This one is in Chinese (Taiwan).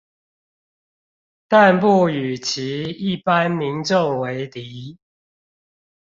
但不與其一般民眾為敵